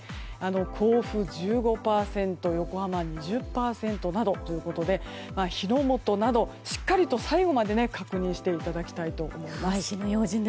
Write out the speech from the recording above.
甲府、１５％横浜、２０％などということで火のもとなどしっかりと最後まで確認していただきたいと思います。